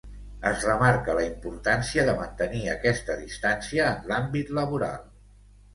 Es remarca la importància de mantenir aquesta distància en l’àmbit laboral.